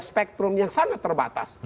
spektrum yang sangat terbatas